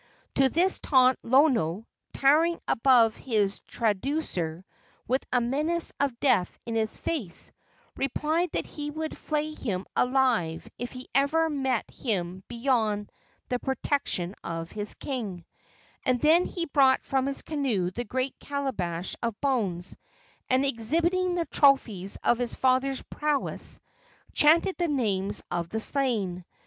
To this taunt Lono, towering above his traducer with a menace of death in his face, replied that he would flay him alive if he ever met him beyond the protection of his king; and then he brought from his canoe the great calabash of bones, and, exhibiting the trophies of his father's prowess, chanted the names of the slain.